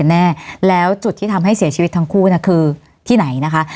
แน่แล้วจุดที่ทำให้เสียชีวิตทั้งคู่คือที่ไหนนะคะ